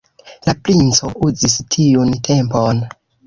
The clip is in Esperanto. La princo uzis tiun tempon.